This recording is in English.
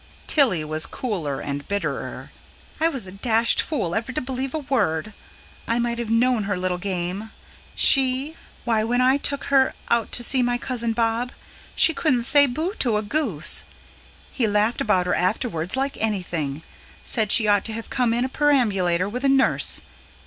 Tilly was cooler and bitterer. "I was a dashed fool ever to believe a word. I might have known her little game. She? Why, when I took her out to see my cousin Bob, she couldn't say bo to a goose. He laughed about her afterwards like anything; said she ought to have come in a perambulator, with a nurse.